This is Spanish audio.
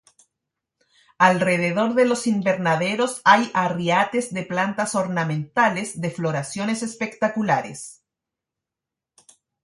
Alrededor de los invernaderos hay arriates de plantas ornamentales de floraciones espectaculares.